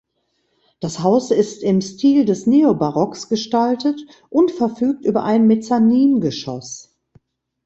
Das Haus ist im Stil des Neobarocks gestaltet und verfügt über ein Mezzaningeschoss.